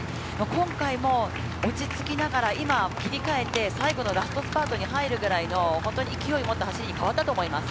今回も落ち着きながら今は切り替えて、最後のラストスパートに入るくらいの勢いを持った走りに変わったと思います。